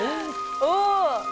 お。